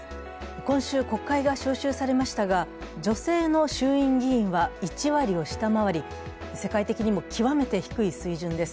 今週国会が召集されましたが、女性の衆院議員は１割を下回り世界的にも極めて低い水準です。